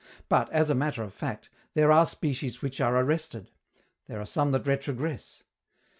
But, as a matter of fact, there are species which are arrested; there are some that retrogress.